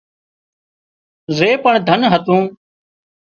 زي پڻ ڌن هتون